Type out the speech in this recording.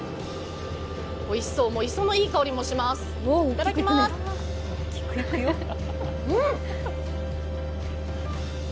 おいしそう、磯のいい香りもしますうん！